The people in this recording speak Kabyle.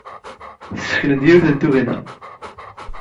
Tessken-d yiwet n tugna.